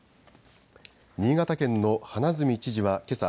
新潟県の花角知事はけさ